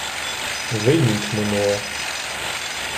Вже й ніч минула.